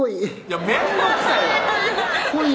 面倒くさいわ！